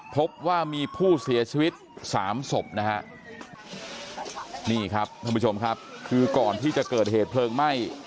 พบว่ามีผู้เสียชีวิตสามศพนะฮะนี่ครับท่านผู้ชมครับคือก่อนที่จะเกิดเหตุเพลิงไหม้